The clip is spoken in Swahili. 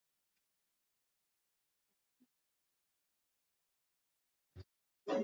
Ike Ekweremadu alikuwa amealikwa na chuo kikuu cha Lincolin